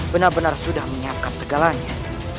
benar benar sudah menyiapkan segalanya